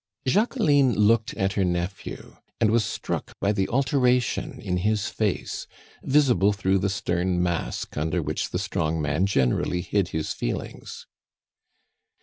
Jacqueline looked at her nephew, and was struck by the alteration in his face, visible through the stern mask under which the strong man generally hid his feelings.